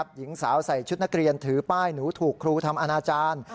หญิงสาวใส่ชุดนักเรียนถือป้ายหนูถูกครูทำอนาจารย์